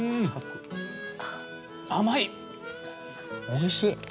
おいしい。